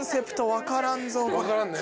分からんね。